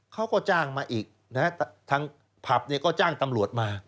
เขาก็จ้างมาอีกทางผับก็จ้างตำรวจมา